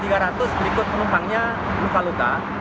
saya sudah bisa mengambil alih alih